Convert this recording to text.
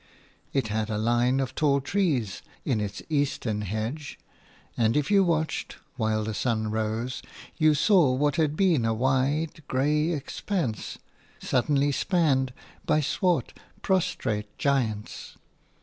It had a line of tall trees in its eastern hedge, and if you watched while the sun rose, you saw what had been a wide, grey expanse suddenly spanned by swart, prostrate giants.